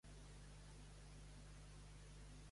Esmolat com l'accent en els mots oxítons.